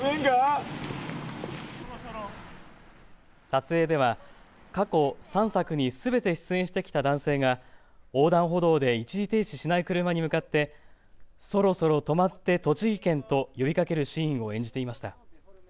撮影では過去３作にすべて出演してきた男性が横断歩道で一時停止しない車に向かってそろそろ止まってとちぎ県！と呼びかけるシーンを演じていました。